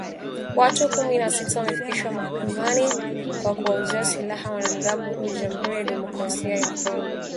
Watu kumi na sita wamefikishwa mahakamani kwa kuwauzia silaha wanamgambo huko Jamuhuri ya Demokrasia ya Kongo